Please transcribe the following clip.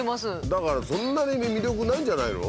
だからそんなに魅力ないんじゃないの？